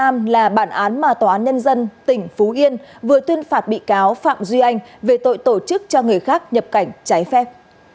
tạm giam là bản án mà tòa án nhân dân tỉnh phú yên vừa tuyên phạt bị cáo phạm duy anh về tội tổ chức cho người khác nhập cảnh trái phép